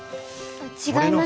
違います